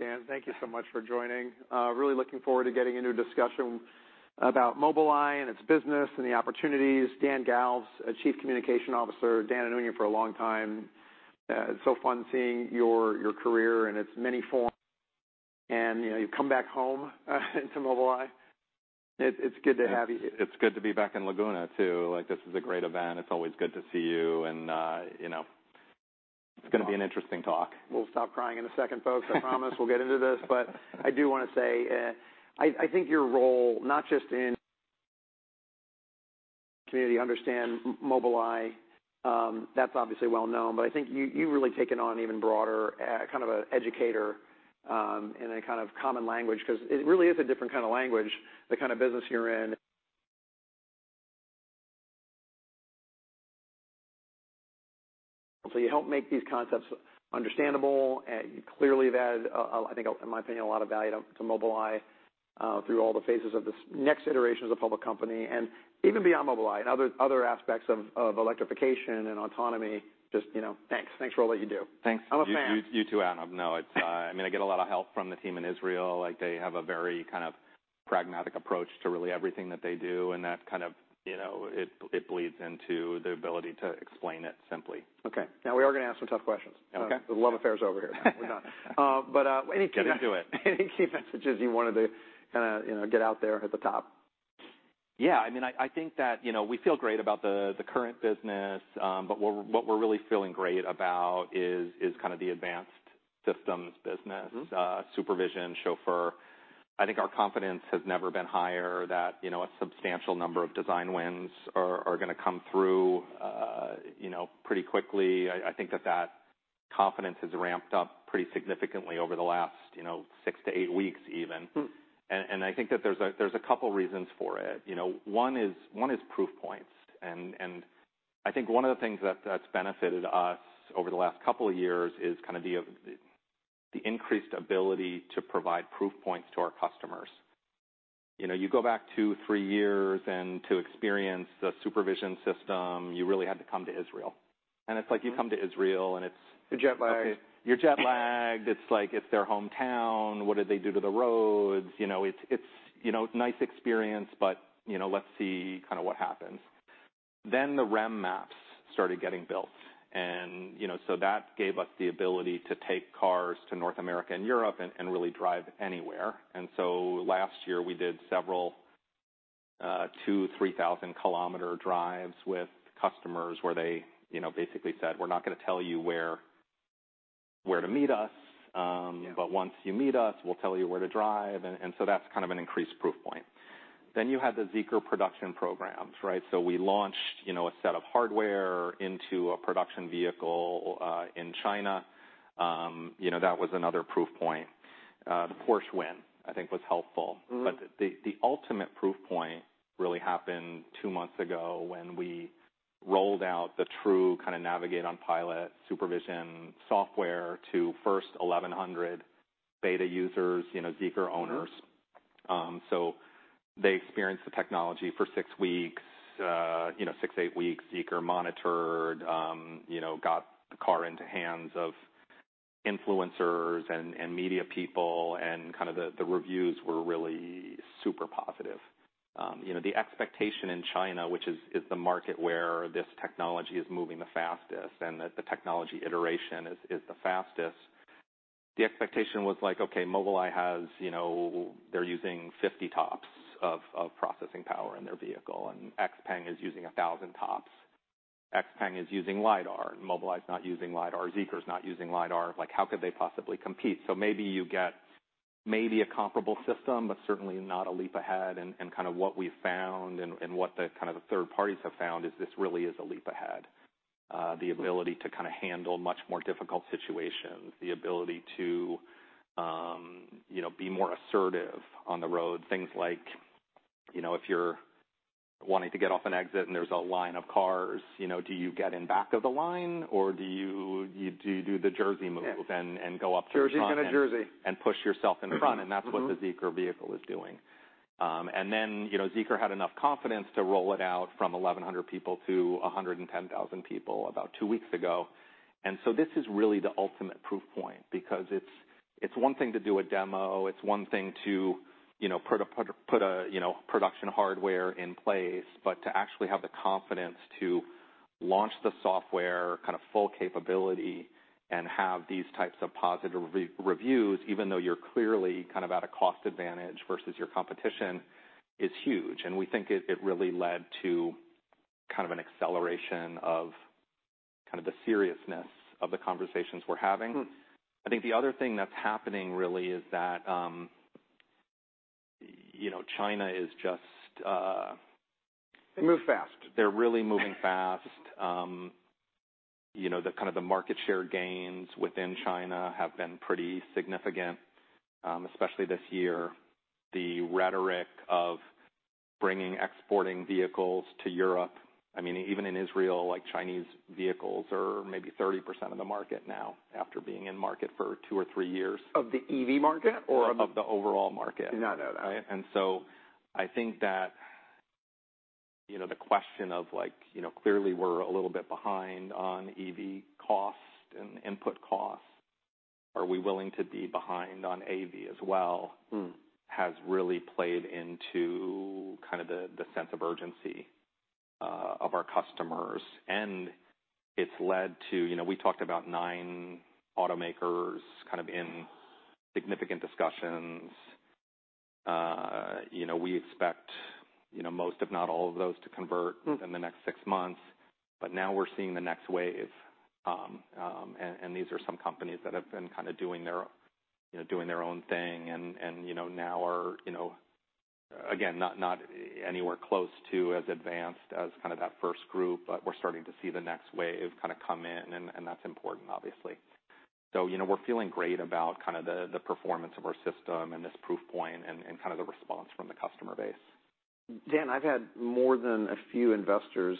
Dan, thank you so much for joining. Really looking forward to getting into a discussion about Mobileye and its business and the opportunities. Dan Galves, Chief Communication Officer. Dan, I've known you for a long time. It's so fun seeing your, your career in its many forms. And, you know, you've come back home, to Mobileye. It, it's good to have you. It's good to be back in Laguna, too. Like, this is a great event. It's always good to see you, and, you know, it's gonna be an interesting talk. We'll stop crying in a second, folks. I promise we'll get into this, but I do wanna say, I think your role, not just in community, understand Mobileye, that's obviously well known, but I think you, you've really taken on an even broader, kind of a educator, in a kind of common language, 'cause it really is a different kind of language, the kind of business you're in. So you help make these concepts understandable, and you clearly have added a, I think, in my opinion, a lot of value to, to Mobileye, through all the phases of this next iteration as a public company, and even beyond Mobileye and other aspects of electrification and autonomy. Just, you know, thanks. Thanks for all that you do. Thanks. I'm a fan. You too, Adam. No, it's, I mean, I get a lot of help from the team in Israel. Like, they have a very kind of pragmatic approach to really everything that they do, and that kind of, you know, it bleeds into the ability to explain it simply. Okay. Now, we are gonna ask some tough questions. Okay. The love affair is over here. We're done. But any- Get into it. Any key messages you wanted to kinda, you know, get out there at the top? Yeah, I mean, I think that, you know, we feel great about the current business, but what we're really feeling great about is kind of the advanced systems business- Mm-hmm... SuperVision, Chauffeur. I think our confidence has never been higher, that, you know, a substantial number of design wins are gonna come through, you know, pretty quickly. I think that that confidence has ramped up pretty significantly over the last, you know, six to eight weeks even. Mm-hmm. I think that there's a couple reasons for it. You know, one is proof points, and I think one of the things that's benefited us over the last couple of years is the increased ability to provide proof points to our customers. You know, you go back two, three years, and to experience the SuperVision system, you really had to come to Israel. Mm-hmm. It's like, you come to Israel, and it's- You're jet-lagged. You're jet-lagged. It's like, it's their hometown. What did they do to the roads? You know, it's, you know, nice experience, but, you know, let's see kinda what happens. Then the REM maps started getting built, and, you know, so that gave us the ability to take cars to North America and Europe and really drive anywhere. And so last year, we did several 2-3,000-kilometer drives with customers where they, you know, basically said: We're not gonna tell you where to meet us. Yeah... but once you meet us, we'll tell you where to drive. And so that's kind of an increased proof point. Then you have the Zeekr production programs, right? So we launched, you know, a set of hardware into a production vehicle, in China. You know, that was another proof point. The Porsche win, I think, was helpful. Mm-hmm. But the ultimate proof point really happened two months ago, when we rolled out the true kind of Navigate on Pilot SuperVision software to first 1,100 beta users, you know, Zeekr owners. Mm-hmm. So they experienced the technology for six weeks, you know, six, eight weeks. Zeekr monitored, you know, got the car into hands of influencers and media people, and kind of the reviews were really super positive. You know, the expectation in China, which is the market where this technology is moving the fastest and the technology iteration is the fastest, the expectation was like: Okay, Mobileye has, you know... They're using 50 TOPS of processing power in their vehicle, and XPeng is using 1,000 TOPS. XPeng is using LiDAR, and Mobileye is not using LiDAR. Zeekr is not using LiDAR. Like, how could they possibly compete? So maybe you get maybe a comparable system, but certainly not a leap ahead. What we've found and what the third parties have found is this really is a leap ahead. The ability to kinda handle much more difficult situations, the ability to, you know, be more assertive on the road. Things like, you know, if you're wanting to get off an exit and there's a line of cars, you know, do you get in back of the line, or do you do the Jersey move- Yeah... and go up to the front- Jersey to Jersey And push yourself into what the Zeekr vehicle is doing. And then, you know, Zeekr had enough confidence to roll it out from 1,100 people to 110,000 people about two weeks ago. And so this is really the ultimate proof point, because it's, it's one thing to do a demo, it's one thing to, you know, put a production hardware in place, but to actually have the confidence to launch the software, kind of full capability, and have these types of positive reviews, even though you're clearly kind of at a cost advantage versus your competition, is huge. And we think it, it really led to kind of an acceleration of kind of the seriousness of the conversations we're having. Mm-hmm. I think the other thing that's happening, really, is that, you know, China is just, They move fast. They're really moving fast. You know, the kind of the market share gains within China have been pretty significant, especially this year. The rhetoric of bringing exporting vehicles to Europe, I mean, even in Israel, like, Chinese vehicles are maybe 30% of the market now, after being in market for two or three years. Of the EV market or of- Of the overall market. Did not know that. And so I think, you know, the question of, like, you know, clearly we're a little bit behind on EV costs and input costs. Are we willing to be behind on AV as well? Mm. Has really played into kind of the, the sense of urgency of our customers, and it's led to. You know, we talked about nine automakers kind of in significant discussions. You know, we expect, you know, most, if not all, of those to convert within the next six months. But now we're seeing the next wave, and these are some companies that have been kind of doing their, you know, doing their own thing and, you know, now are, you know, again, not anywhere close to as advanced as kind of that first group, but we're starting to see the next wave kind of come in, and that's important, obviously. So, you know, we're feeling great about kind of the performance of our system and this proof point and kind of the response from the customer base. Dan, I've had more than a few investors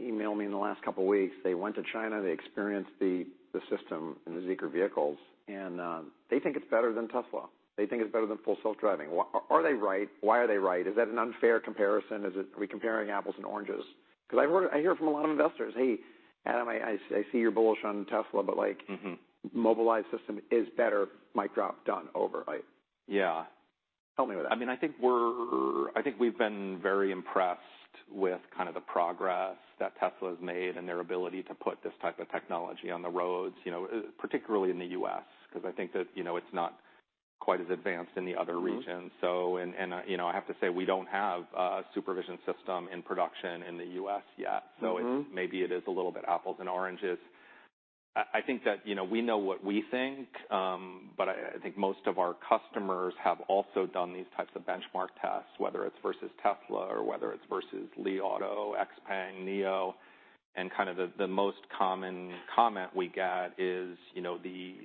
email me in the last couple of weeks. They went to China, they experienced the system and the Zeekr vehicles, and they think it's better than Tesla. They think it's better than Full Self-Driving. Are they right? Why are they right? Is that an unfair comparison? Is it? Are we comparing apples and oranges? Because I've heard it. I hear from a lot of investors: "Hey, Adam, I see you're bullish on Tesla, but, like- Mm-hmm. Mobileye's system is better. Mic drop. Done. Over." Like- Yeah. Help me with that. I mean, I think we've been very impressed with kind of the progress that Tesla has made and their ability to put this type of technology on the roads, you know, particularly in the U.S., because I think that, you know, it's not quite as advanced in the other regions. Mm-hmm. You know, I have to say, we don't have a SuperVision system in production in the U.S. yet. Mm-hmm. So maybe it is a little bit apples and oranges. I, I think that, you know, we know what we think, but I, I think most of our customers have also done these types of benchmark tests, whether it's versus Tesla or whether it's versus Li Auto, XPeng, NIO. And kind of the, the most common comment we get is, you know, the,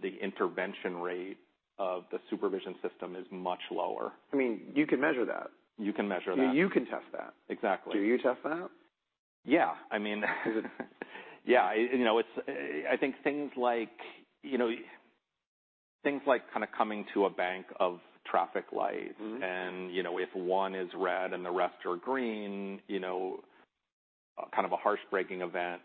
the intervention rate of the supervision system is much lower. I mean, you can measure that? You can measure that. You can test that. Exactly. Do you test that? Yeah. I mean, yeah, you know, it's... I think things like, you know, things like kind of coming to a bank of traffic lights- Mm-hmm. you know, if one is red and the rest are green, you know, kind of a harsh braking event,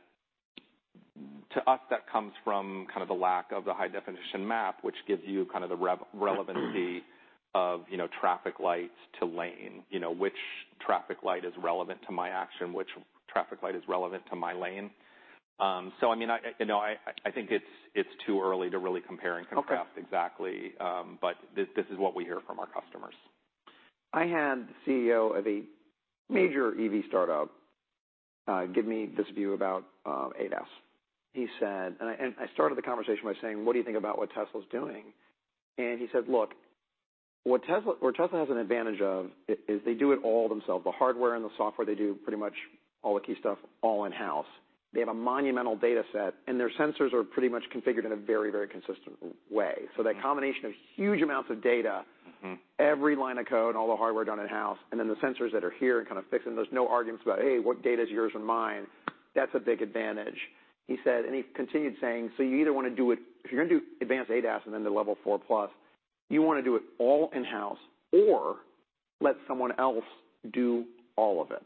to us, that comes from kind of the lack of the high-definition map, which gives you kind of the relevancy of, you know, traffic lights to lane. You know, which traffic light is relevant to my action, which traffic light is relevant to my lane? So I mean, you know, I think it's too early to really compare and contrast- Okay. Exactly, but this, this is what we hear from our customers. I had the CEO of a major EV startup give me this view about ADAS. He said... And I started the conversation by saying: "What do you think about what Tesla's doing?" And he said: "Look, what Tesla has an advantage of is they do it all themselves. The hardware and the software, they do pretty much all the key stuff, all in-house. They have a monumental data set, and their sensors are pretty much configured in a very, very consistent way. So that combination of huge amounts of data- Mm-hmm. Every line of code, all the hardware done in-house, and then the sensors that are here and kind of fixed, and there's no arguments about, 'Hey, what data is yours or mine?' That's a big advantage," he said, and he continued saying, "So you either want to do it. If you're going to do advanced ADAS and then the Level 4+, you want to do it all in-house or let someone else do all of it.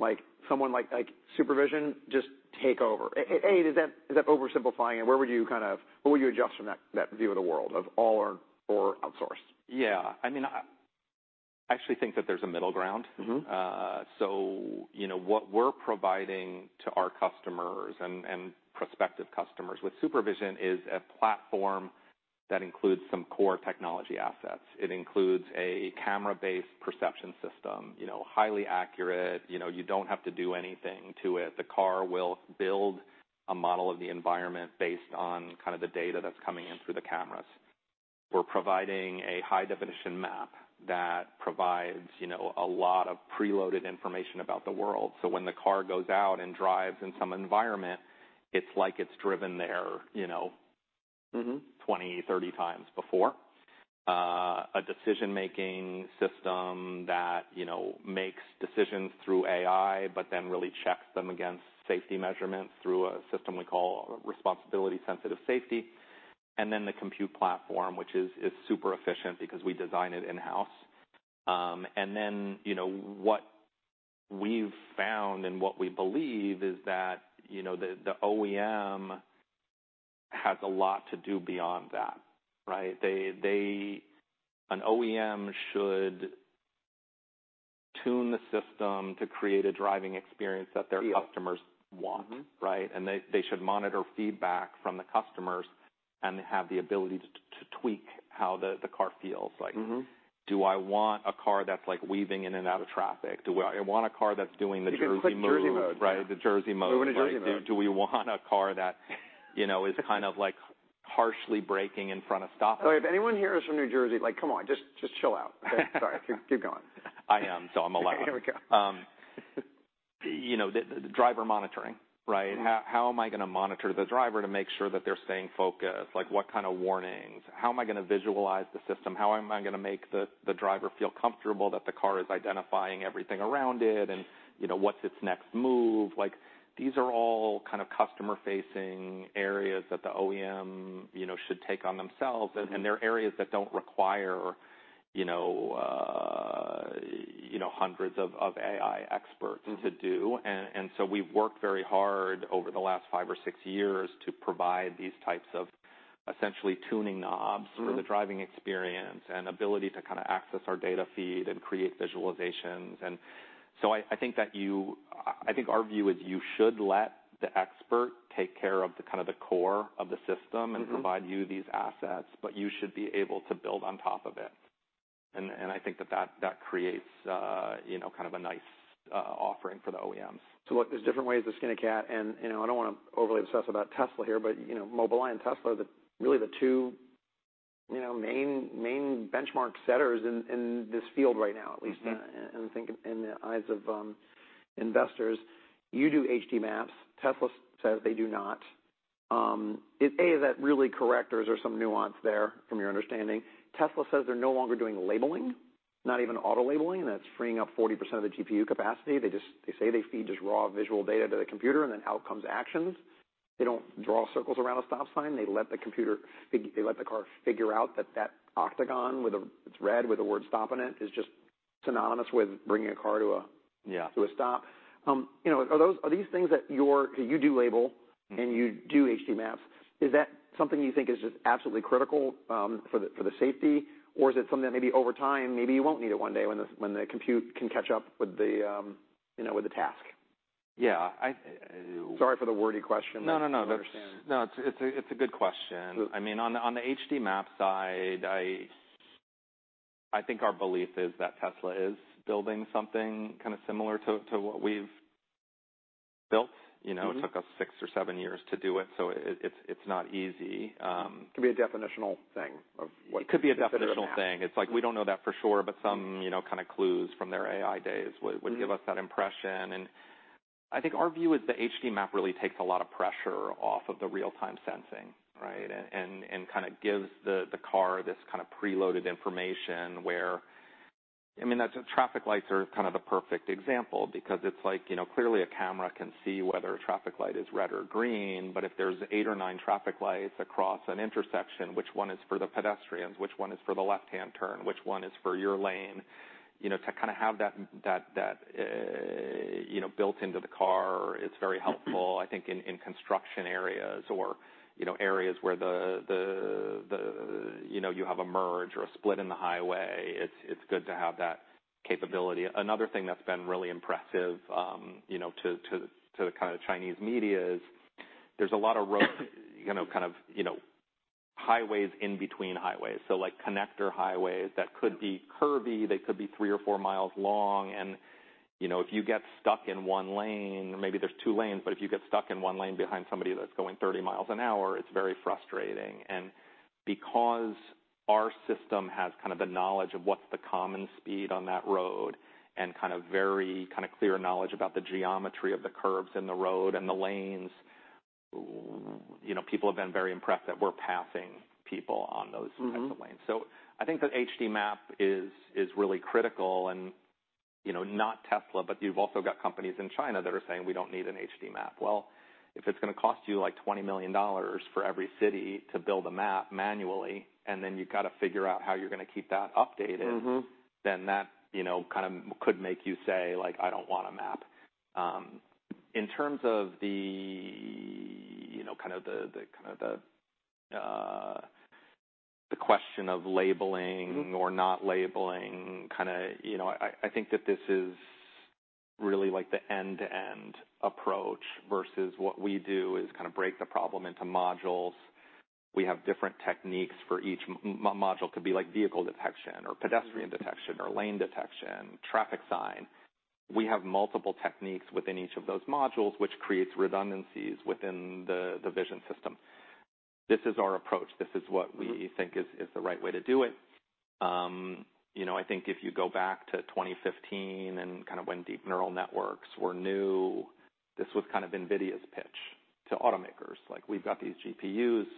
Like, someone like, like SuperVision, just take over." Amnon, is that, is that oversimplifying it? Where would you kind of, what would you adjust from that, that view of the world, of all or, or outsource? Yeah. I mean, I actually think that there's a middle ground. Mm-hmm. So, you know, what we're providing to our customers and prospective customers with SuperVision is a platform that includes some core technology assets. It includes a camera-based perception system, you know, highly accurate. You know, you don't have to do anything to it. The car will build a model of the environment based on kind of the data that's coming in through the cameras. We're providing a high-definition map that provides, you know, a lot of preloaded information about the world. So when the car goes out and drives in some environment, it's like it's driven there, you know. Mm-hmm... 20, 30 times before. A decision-making system that, you know, makes decisions through AI, but then really checks them against safety measurements through a system we call Responsibility-Sensitive Safety. And then the compute platform, which is super efficient because we design it in-house. And then, you know, what we've found and what we believe is that, you know, the OEM has a lot to do beyond that, right? They, an OEM should tune the system to create a driving experience that their customers want. Mm-hmm. Right? And they should monitor feedback from the customers and have the ability to tweak how the car feels like. Mm-hmm. Do I want a car that's, like, weaving in and out of traffic? Do I want a car that's doing the Jersey mode? You can click Jersey mode. Right, the Jersey mode. We're in a Jersey mode. Do we want a car that, you know, is kind of, like, harshly braking in front of stoplights? If anyone here is from New Jersey, like, come on, just, just chill out. Sorry. Keep, keep going. I am, so I'm allowed. Here we go. You know, the driver monitoring, right? Mm-hmm. How am I going to monitor the driver to make sure that they're staying focused? Like, what kind of warnings? How am I going to visualize the system? How am I going to make the driver feel comfortable that the car is identifying everything around it and... you know, what's its next move? Like, these are all kind of customer-facing areas that the OEM, you know, should take on themselves. They're areas that don't require, you know, hundreds of AI experts to do. And so we've worked very hard over the last five or six years to provide these types of essentially tuning knobs- Mm-hmm for the driving experience and ability to kind of access our data feed and create visualizations. And so I think our view is you should let the expert take care of the kind of the core of the system and provide you these assets, but you should be able to build on top of it. And I think that creates, you know, kind of a nice offering for the OEMs. So look, there's different ways to skin a cat, and, you know, I don't want to overly obsess about Tesla here, but, you know, Mobileye and Tesla are the, really the two, you know, main, main benchmark setters in, in this field right now, at least- Mm-hmm... and I think in the eyes of investors. You do HD maps. Tesla says they do not. Is that really correct, or is there some nuance there from your understanding? Tesla says they're no longer doing labeling, not even auto labeling, and that's freeing up 40% of the GPU capacity. They just, they say they feed just raw visual data to the computer, and then out comes actions. They don't draw circles around a stop sign. They let the car figure out that that octagon with a—it's red with the word "stop" on it, is just synonymous with bringing a car to a to a stop. You know, are those- are these things that you're... You do label- Mm-hmm. And you do HD maps. Is that something you think is just absolutely critical for the, for the safety? Or is it something that maybe over time, maybe you won't need it one day when the, when the compute can catch up with the, you know, with the task? Yeah, I- Sorry for the wordy question. No, no, no. I understand. No, it's a, it's a good question. Good. I mean, on the HD map side, I think our belief is that Tesla is building something kind of similar to what we've built. Mm-hmm. You know, it took us six or seven years to do it, so it's not easy. It could be a definitional thing of what- It could be a definitional thing. -a map. It's like, we don't know that for sure, but some, you know, kind of clues from their AI days would- Mm-hmm would give us that impression. And I think our view is the HD map really takes a lot of pressure off of the real-time sensing, right? And kind of gives the car this kind of preloaded information where... I mean, that's traffic lights are kind of the perfect example because it's like, you know, clearly a camera can see whether a traffic light is red or green, but if there's eight or nine traffic lights across an intersection, which one is for the pedestrians, which one is for the left-hand turn, which one is for your lane? You know, to kind of have that you know, built into the car, it's very helpful. I think in construction areas or, you know, areas where the you know you have a merge or a split in the highway, it's good to have that capability. Another thing that's been really impressive, you know, to the kind of Chinese medias, there's a lot of road you know kind of you know highways in between highways. So like connector highways, that could be curvy, they could be three or four miles long. And, you know, if you get stuck in one lane, or maybe there's two lanes, but if you get stuck in one lane behind somebody that's going 30 miles an hour, it's very frustrating. Because our system has kind of the knowledge of what's the common speed on that road and kind of very, kind of clear knowledge about the geometry of the curves in the road and the lanes, you know, people have been very impressed that we're passing people on those- Mm-hmm -types of lanes. So I think that HD map is really critical. And, you know, not Tesla, but you've also got companies in China that are saying, "We don't need an HD map." Well, if it's gonna cost you, like, $20 million for every city to build a map manually, and then you've got to figure out how you're gonna keep that updated- Mm-hmm... then that, you know, kind of could make you say, like: I don't want a map. In terms of the, you know, kind of the question of labeling- Mm-hmm or not labeling, kind of, you know, I, I think that this is really like the end-to-end approach, versus what we do is kind of break the problem into modules. We have different techniques for each module. Could be like vehicle detection or pedestrian detection or lane detection, traffic sign. We have multiple techniques within each of those modules, which creates redundancies within the vision system. This is our approach. This is what- Mm-hmm -we think is the right way to do it. You know, I think if you go back to 2015 and kind of when deep neural networks were new, this was kind of NVIDIA's pitch to automakers. Like: We've got these GPUs,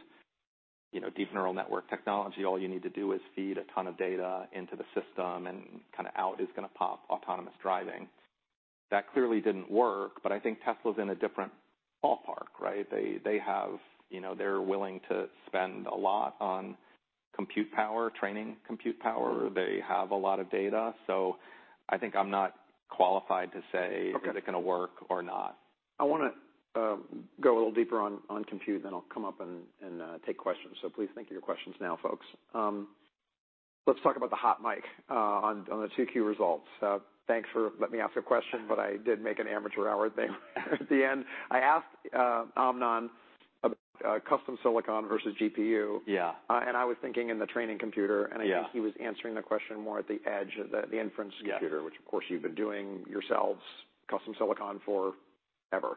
you know, deep neural network technology. All you need to do is feed a ton of data into the system, and kind of out is gonna pop autonomous driving. That clearly didn't work, but I think Tesla's in a different ballpark, right? They have... You know, they're willing to spend a lot on compute power, training, compute power. They have a lot of data. So I think I'm not qualified to say if it's gonna work or not. I wanna go a little deeper on compute, then I'll come up and take questions. Please think of your questions now, folks. Let's talk about the hot mic on the 2Q results. Thanks for letting me ask a question, but I did make an amateur hour thing at the end. I asked Amnon about custom silicon versus GPU. Yeah. I was thinking in the training computer- Yeah And I think he was answering the question more at the edge of the inference computer. Yeah which of course, you've been doing yourselves, custom silicon, forever.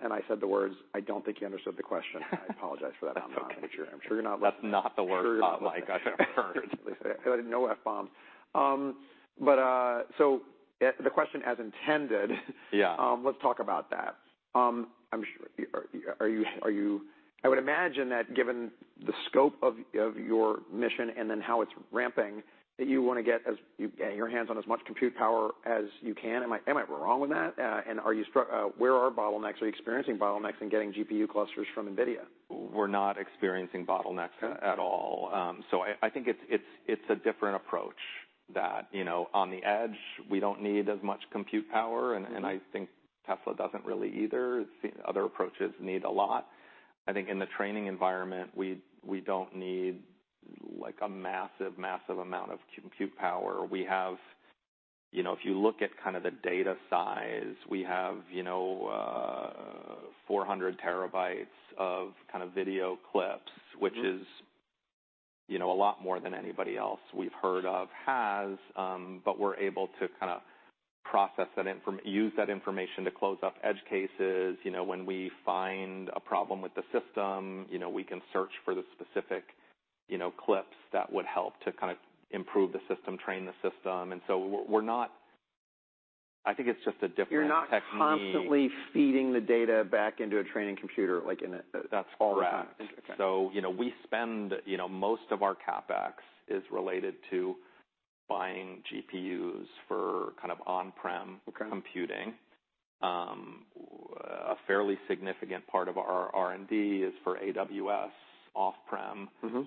Yes. I said the words, "I don't think he understood the question." I apologize for that, Amnon. It's okay. I'm sure you're not- That's not the word, like I should have heard. I had no F-bombs. But so the question as intended - Yeah... let's talk about that. I'm sure I would imagine that given the scope of your mission and then how it's ramping, that you wanna get your hands on as much compute power as you can. Am I wrong with that? And where are bottlenecks? Are you experiencing bottlenecks in getting GPU clusters from NVIDIA? We're not experiencing bottlenecks at all. So I think it's a different approach that, you know, on the edge, we don't need as much compute power, and I think Tesla doesn't really either. It seems other approaches need a lot. I think in the training environment, we don't need like, a massive amount of compute power. We have, you know, if you look at kind of the data size, we have, you know, 400 TB of kind of video clips- Mm-hmm... which is, you know, a lot more than anybody else we've heard of has. But we're able to kind of process that, use that information to close up edge cases. You know, when we find a problem with the system, you know, we can search for the specific, you know, clips that would help to kind of improve the system, train the system. And so we're not. I think it's just a different technique. You're not constantly feeding the data back into a training computer, like, in a, all the time. That's correct. Okay. So, you know, we spend, you know, most of our CapEx is related to buying GPUs for kind of on-prem- Okay... computing. A fairly significant part of our R&D is for AWS, off-prem- Mm-hmm...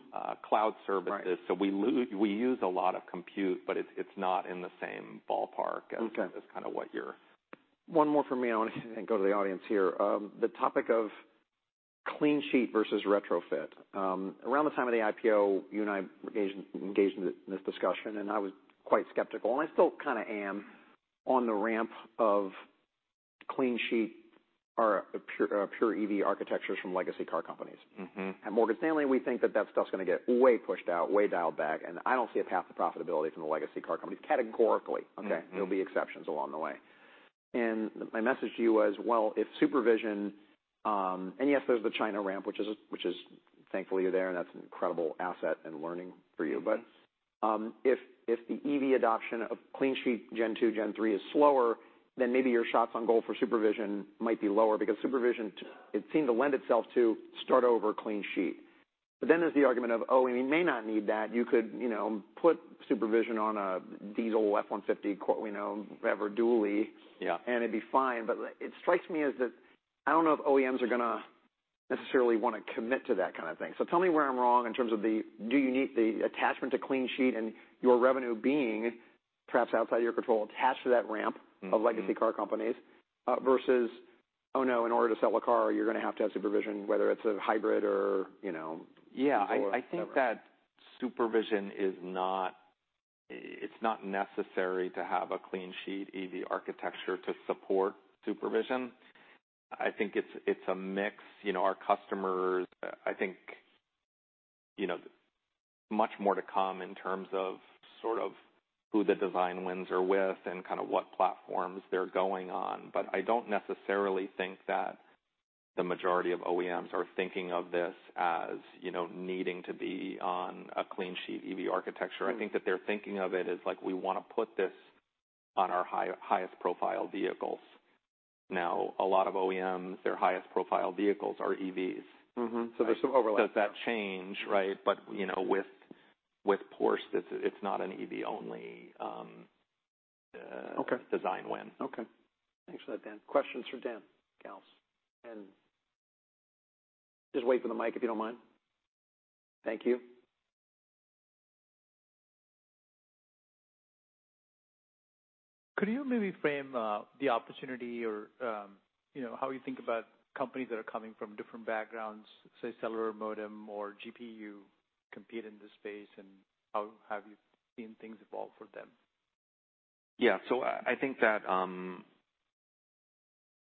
cloud services. Right. So we use a lot of compute, but it's not in the same ballpark- Okay... as kind of what you're- One more from me, and I wanna go to the audience here. The topic of clean sheet versus retrofit. Around the time of the IPO, you and I engaged in this discussion, and I was quite skeptical, and I still kind of am, on the ramp of clean sheet or pure EV architectures from legacy car companies. Mm-hmm. At Morgan Stanley, we think that that stuff's gonna get way pushed out, way dialed back, and I don't see a path to profitability from the legacy car companies, categorically. Mm-hmm. Okay. There'll be exceptions along the way. My message to you was, well, if SuperVision. Yes, there's the China ramp, which is, which is thankfully, you're there, and that's an incredible asset and learning for you. Mm-hmm. But, if the EV adoption of clean sheet Gen 2, Gen 3 is slower, then maybe your shots on goal for supervision might be lower. Because supervision, it seemed to lend itself to start over clean sheet. But then there's the argument of: Oh, and you may not need that. You could, you know, put supervision on a diesel F-150, quote, we know, whatever, dually- and it'd be fine. But it strikes me as that I don't know if OEMs are gonna necessarily wanna commit to that kind of thing. So tell me where I'm wrong in terms of the, do you need the attachment to clean sheet and your revenue being, perhaps outside of your control, attached to that ramp- Mm-hmm... of legacy car companies? versus, "Oh, no, in order to sell a car, you're gonna have to have supervision, whether it's a hybrid or, you know"- Yeah. -or whatever. I think that supervision is not, it's not necessary to have a clean sheet EV architecture to support supervision. I think it's a mix. You know, our customers, I think, you know, much more to come in terms of sort of who the design wins are with and kind of what platforms they're going on. But I don't necessarily think that the majority of OEMs are thinking of this as, you know, needing to be on a clean sheet EV architecture. Mm. I think that they're thinking of it as like, we wanna put this on our highest profile vehicles. Now, a lot of OEMs, their highest profile vehicles are EVs. Mm-hmm. So there's some overlap. Does that change, right? But, you know, with Porsche, it's not an EV only. Okay... Design win. Okay. Thanks for that, Dan. Questions for Dan Galves? And just wait for the mic, if you don't mind. Thank you. Could you maybe frame the opportunity or, you know, how you think about companies that are coming from different backgrounds, say, cellular modem or GPU, compete in this space, and how have you seen things evolve for them? Yeah. So I think that,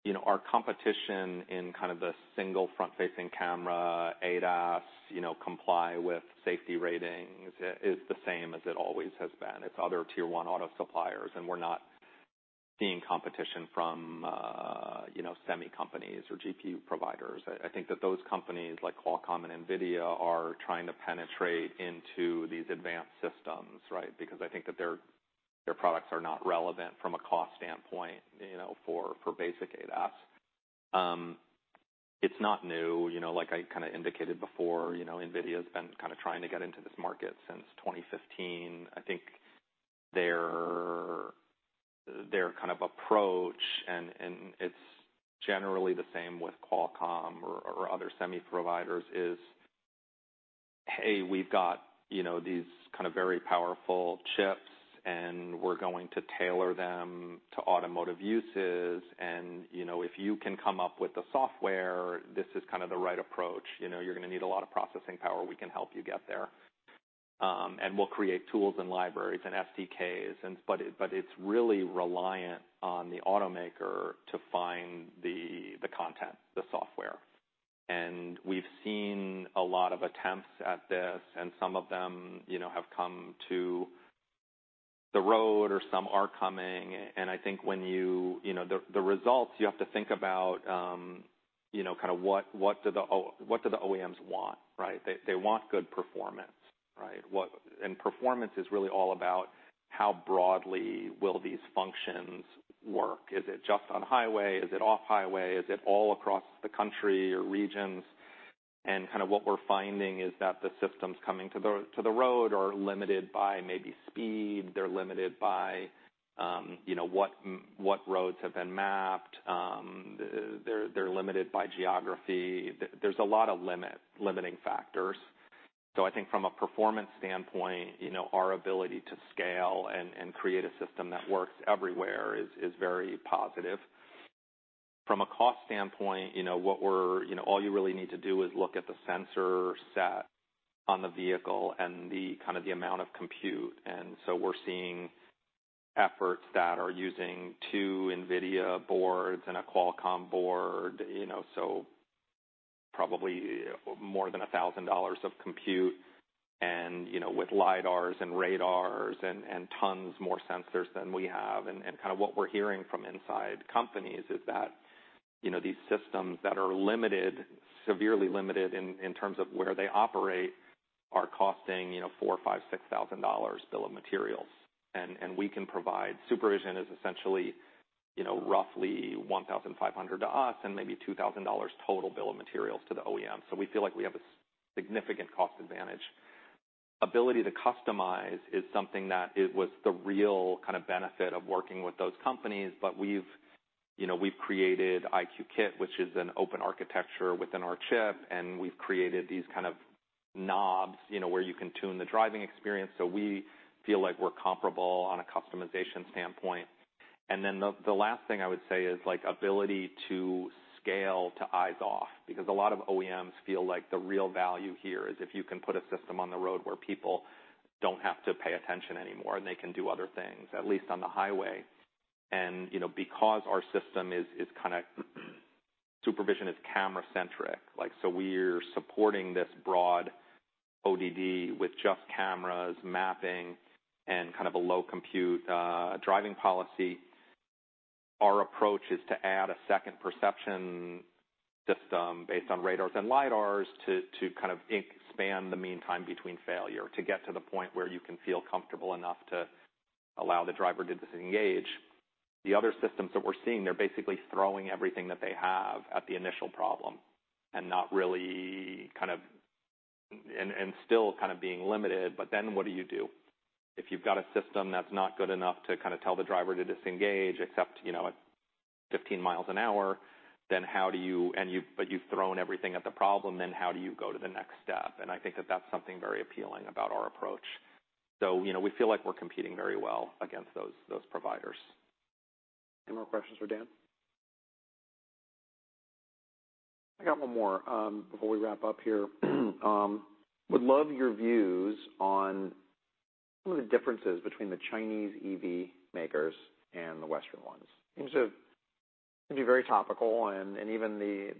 you know, our competition in kind of the single front-facing camera, ADAS, you know, comply with safety ratings, is the same as it always has been. It's other Tier 1 auto suppliers, and we're not seeing competition from, you know, semi companies or GPU providers. I think that those companies, like Qualcomm and NVIDIA, are trying to penetrate into these advanced systems, right? Because I think that their products are not relevant from a cost standpoint, you know, for basic ADAS. It's not new. You know, like I kind of indicated before, you know, NVIDIA's been kind of trying to get into this market since 2015. I think their kind of approach, and it's generally the same with Qualcomm or other semi providers, is, "Hey, we've got, you know, these kind of very powerful chips, and we're going to tailor them to automotive uses. And, you know, if you can come up with the software, this is kind of the right approach. You know, you're gonna need a lot of processing power. We can help you get there. And we'll create tools and libraries and SDKs." But it's really reliant on the automaker to find the content, the software. And we've seen a lot of attempts at this, and some of them, you know, have come to the road or some are coming. And I think when you know, the results, you have to think about, you know, kind of what do the OEMs want, right? They want good performance, right? And performance is really all about how broadly will these functions work. Is it just on highway? Is it off highway? Is it all across the country or regions? And kind of what we're finding is that the systems coming to the road are limited by maybe speed. They're limited by, you know, what roads have been mapped. They're limited by geography. There's a lot of limiting factors. So I think from a performance standpoint, you know, our ability to scale and create a system that works everywhere is very positive. From a cost standpoint, you know, what we're, you know, all you really need to do is look at the sensor set on the vehicle and the kind of the amount of compute. And so we're seeing efforts that are using 2 NVIDIA boards and a Qualcomm board, you know, so probably more than $1,000 of compute and, you know, with LiDARs and radars and tons more sensors than we have. And kind of what we're hearing from inside companies is that, you know, these systems that are limited, severely limited in terms of where they operate, are costing, you know, $4,000-$6,000 bill of materials. And we can provide SuperVision is essentially, you know, roughly $1,500 to us and maybe $2,000 total bill of materials to the OEM. So we feel like we have a significant cost advantage. Ability to customize is something that it was the real kind of benefit of working with those companies. But we've, you know, we've created EyeQ Kit, which is an open architecture within our chip, and we've created these kind of knobs, you know, where you can tune the driving experience. So we feel like we're comparable on a customization standpoint. And then the last thing I would say is, like, ability to scale to eyes off, because a lot of OEMs feel like the real value here is if you can put a system on the road where people don't have to pay attention anymore, and they can do other things, at least on the highway. You know, because our system is kind of, SuperVision is camera-centric, like, so we're supporting this broad ODD with just cameras, mapping, and kind of a low compute, driving policy. Our approach is to add a second perception system based on radars and LiDARs, to kind of expand the mean time between failure, to get to the point where you can feel comfortable enough to allow the driver to disengage. The other systems that we're seeing, they're basically throwing everything that they have at the initial problem and not really kind of and still kind of being limited, but then what do you do? If you've got a system that's not good enough to kind of tell the driver to disengage, except, you know, at 15 miles an hour, then how do you, but you've thrown everything at the problem, then how do you go to the next step? I think that that's something very appealing about our approach. You know, we feel like we're competing very well against those providers. Any more questions for Dan? I got one more, before we wrap up here. Would love your views on some of the differences between the Chinese EV makers and the Western ones. Seems to can be very topical and even the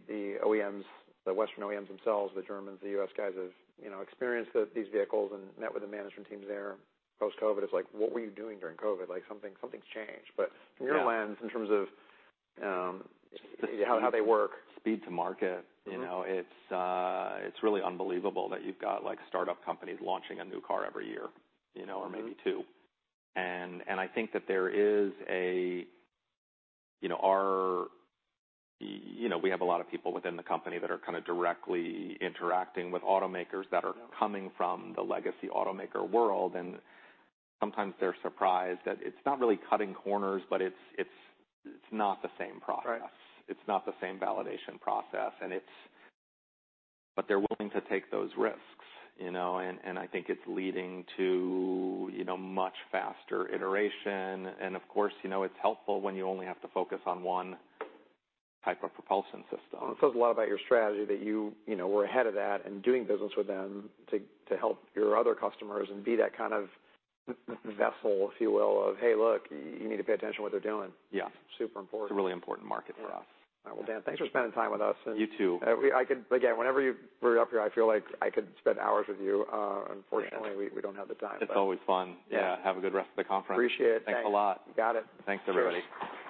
OEMs, the Western OEMs themselves, the Germans, the U.S. guys, have, you know, experienced these vehicles and met with the management teams there post-COVID. It's like, "What were you doing during COVID? Like, something, something's changed. Yeah. But from your lens, in terms of, how they work- Speed to market. Mm-hmm. You know, it's really unbelievable that you've got, like, startup companies launching a new car every year, you know- Mm-hmm... or maybe two. And I think that there is a, you know, our, you know, we have a lot of people within the company that are kind of directly interacting with automakers that are coming from the legacy automaker world. And sometimes they're surprised that it's not really cutting corners, but it's not the same process. Right. It's not the same validation process, and it's... But they're willing to take those risks, you know, and I think it's leading to, you know, much faster iteration. Of course, you know, it's helpful when you only have to focus on one type of propulsion system. It says a lot about your strategy, that you, you know, were ahead of that and doing business with them to, to help your other customers and be that kind of vessel, if you will, of, "Hey, look, you need to pay attention to what they're doing. Yeah. Super important. It's a really important market for us. Yeah. Well, Dan, thanks for spending time with us, and- You, too. Again, whenever you were up here, I feel like I could spend hours with you. Unfortunately- Yeah... we don't have the time. It's always fun. Yeah. Have a good rest of the conference. Appreciate it. Thanks a lot. You got it. Thanks, everybody. Thank you.